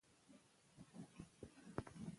شاه صفي د حرم په منځ کې لوی ارهډ کیندلی و.